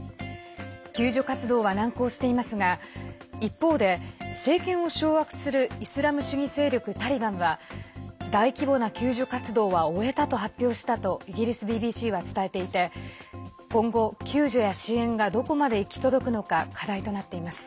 救助活動は難航していますが一方で、政権を掌握するイスラム主義勢力タリバンは大規模な救助活動は終えたと発表したとイギリスＢＢＣは伝えていて今後、救助や支援がどこまで行き届くのか課題となっています。